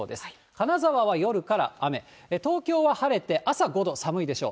金沢は夜から雨、東京は晴れて、朝５度、寒いでしょう。